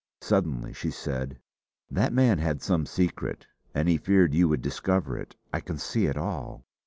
Suddenly she said: "That man had some secret, and he feared you would discover it. I can see it all!